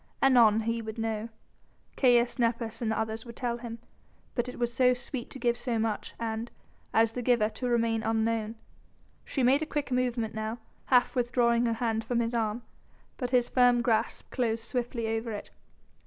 Anon he would know. Caius Nepos and the others would tell him, but it was so sweet to give so much and as the giver to remain unknown. She made a quick movement now, half withdrawing her hand from his arm, but his firm grasp closed swiftly over it.